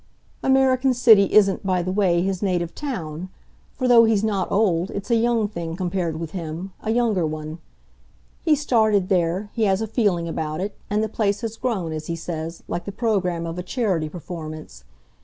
"American City isn't, by the way, his native town, for, though he's not old, it's a young thing compared with him a younger one. He started there, he has a feeling about it, and the place has grown, as he says, like the programme of a charity performance.